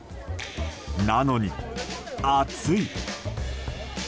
なのに、暑い！